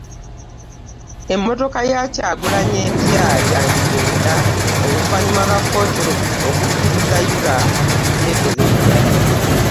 Emmotoka ya Kyagulanyi empya yandigenda oluvannyuma lwa kkooti okukkiriza URA okugyekebejja